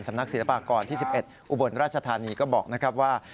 นักศิลปากรที่๑๑อุบลราชธานีก็บอกนะครับว่า